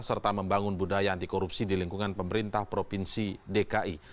serta membangun budaya anti korupsi di lingkungan pemerintah provinsi dki